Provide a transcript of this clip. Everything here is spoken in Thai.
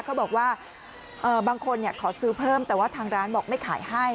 เขาบอกว่าบางคนขอซื้อเพิ่มแต่ว่าทางร้านบอกไม่ขายให้